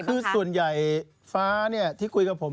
คือส่วนใหญ่ฟ้าที่คุยกับผม